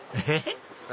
えっ？